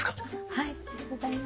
はい。